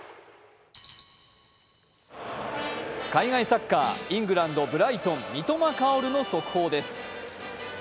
海外サッカー、イングランドブライトン三笘薫の速報です。